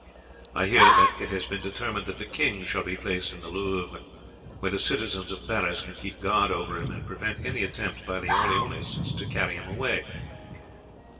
I hear that it has been determined that the king shall be placed in the Louvre, where the citizens of Paris can keep guard over him and prevent any attempt by the Orleanists to carry him away.